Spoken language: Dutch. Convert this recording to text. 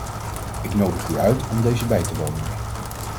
Ik nodig u uit om deze bij te wonen.